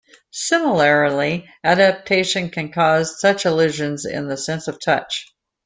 Similarly, adaptation can cause such illusions in the sense of touch.